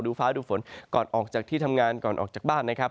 ฟ้าดูฝนก่อนออกจากที่ทำงานก่อนออกจากบ้านนะครับ